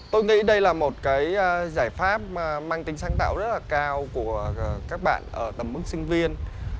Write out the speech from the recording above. tôi nghĩ đây là một cái giải pháp mang tính sáng tạo rất là cao của các bạn ở tầm mức sinh viên